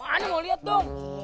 mana mau liat dong